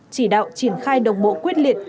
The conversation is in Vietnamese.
chỉ đạo triển khai đồng bộ quyết liệt